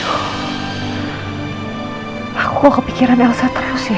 pada saat ini aku mau ke pikiran elsa terus ya